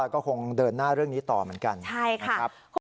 ก็คงเดินหน้าเรื่องนี้ต่อเหมือนกันนะครับใช่ค่ะ